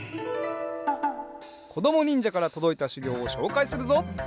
こどもにんじゃからとどいたしゅぎょうをしょうかいするぞ。